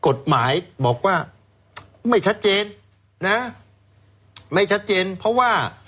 กฎหมายบอกว่าไม่ชัดเจนนะไม่ชัดเจนเพราะว่า